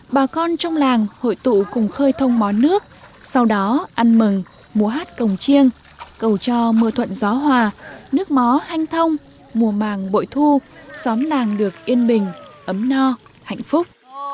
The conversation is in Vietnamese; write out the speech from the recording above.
bà con trong làng hội tụ cùng khơi thông mó nước sau đó ăn mừng múa hát cổng chiêng cầu cho mưa thuận gió hòa nước mó hanh thông mùa màng bội thu xóm làng được yên bình ấm no hạnh phúc